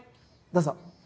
どうぞ。